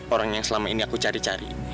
orang yang selama ini aku cari cari